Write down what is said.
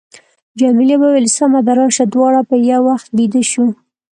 جميلې وويل:، سمه ده، راشه دواړه به یو وخت بېده شو.